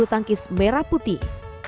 pembulu tangkis merah putih